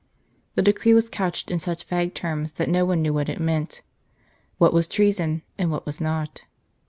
The decree was couched in such vague terms that no one knew what it meant what was treason, and what was not.